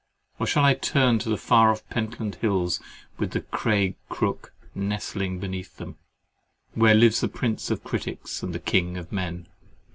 Or shall I turn to the far off Pentland Hills, with Craig Crook nestling beneath them, where lives the prince of critics and the king of men?